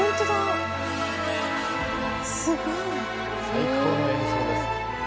最高の演奏ですね。